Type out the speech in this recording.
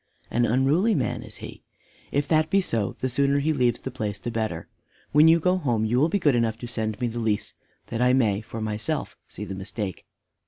"An unruly man, is he? If that be so, the sooner he leaves the place the better. When you go home, you will be good enough to send me the lease that I may, for myself, see the mistake."